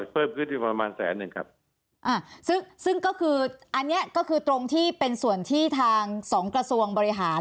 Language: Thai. เพิ่มพื้นที่ประมาณแสนหนึ่งครับอ่าซึ่งซึ่งก็คืออันเนี้ยก็คือตรงที่เป็นส่วนที่ทางสองกระทรวงบริหาร